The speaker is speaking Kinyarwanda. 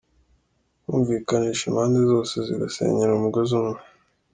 -Kumvikanisha impande zose zigasenyera umugozi umwe